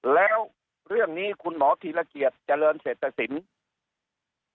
แล้วเรื่องนี้คุณหมอธีรเกียจเจริญเศรษฐศิลป์